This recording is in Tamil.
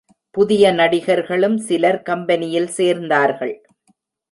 புதிய நடிகர்களும் சிலர் கம்பெனியில் சேர்ந்தார்கள்.